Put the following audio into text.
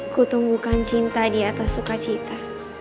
kutukan cinta di atas sukacita